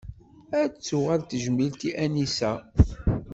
Ad tuɣal tejmilt i Anisa.